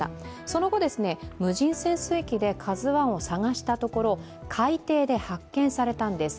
その後、無人潜水機で「ＫＡＺＵⅠ」を捜したところ海底で発見されたんです。